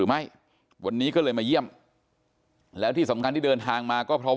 แม่น้องชมพู่แม่น้องชมพู่แม่น้องชมพู่แม่น้องชมพู่